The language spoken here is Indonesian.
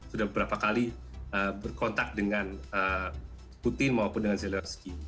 sudah beberapa kali berkontak dengan putin maupun dengan zelorski